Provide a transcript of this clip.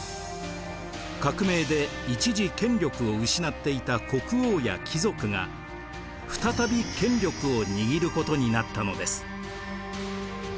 革命で一時権力を失っていた国王や貴族が再び権力を握ることになったのです。